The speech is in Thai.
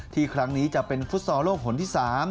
ที่ครั้งนี้จะเป็นฟุตสอร์โลกผลที่๓